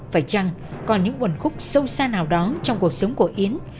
phải chăng còn những nguồn khúc sâu xa nào đó trong cuộc sống của yến